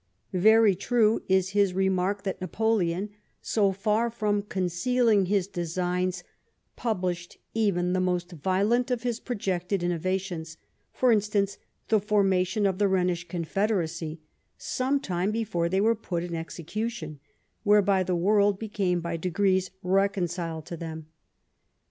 Very true is his remark that Napoleon, so far from concealing his designs, published even the most violent of his projected innovations ; for instance, the formation of the Rhenish Confederacy, some time before they were put in execution, whereby the world became by degrees reconciled U> them.